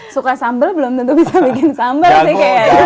suka sambel belum tentu bisa bikin sambel sih kayaknya